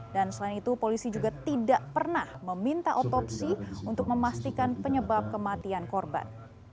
dan selain itu polisi juga tidak pernah meminta otopsi untuk memastikan penyebab kematian korban